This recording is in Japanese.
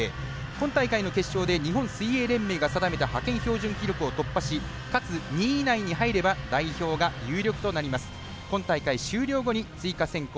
今回の大会で日本水泳連盟が定めた派遣標準記録を突破しかつ２位以内に入れば代表が有力となります。